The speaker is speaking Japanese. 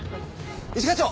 一課長！